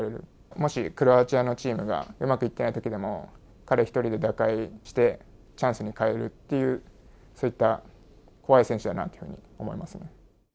もしクロアチアのチームがうまくいってないときでも、彼１人で打開して、チャンスに変えるっていう、そういった怖い選手だなというふうに思いますね。